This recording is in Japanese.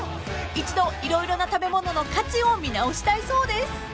［一度色々な食べ物の価値を見直したいそうです］